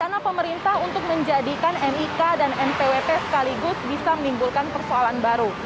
karena pemerintah untuk menjadikan nik dan npwp sekaligus bisa menimbulkan persoalan baru